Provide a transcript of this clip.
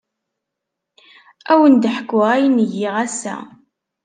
Ad awen-d-ḥkuɣ ayen ay giɣ ass-a.